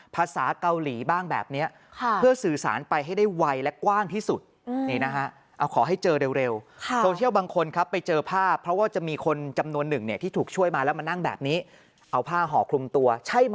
ภาษาเกาหลีบ้างแบบนี้